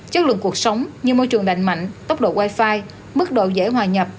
chất lượng cuộc sống như môi trường đành mạnh tốc độ wifi mức độ dễ hòa nhập